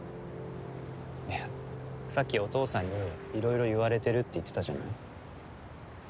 いやさっきお父さんに色々言われてるって言ってたじゃない？